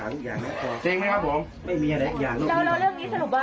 อะไรอย่างนี้แล้วแล้วเรื่องนี้สรุปะมันเป็นเรื่องเรื่องจริงหรือว่า